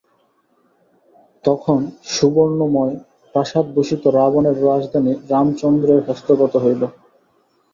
তখন সুবর্ণময় প্রাসাদভূষিত রাবণের রাজধানী রামচন্দ্রের হস্তগত হইল।